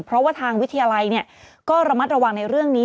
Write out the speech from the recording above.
เพราะว่าทางวิทยาลัยก็ระมัดระวังในเรื่องนี้